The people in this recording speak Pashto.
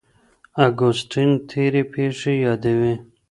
اګوستين تېرې پېښې يادوي.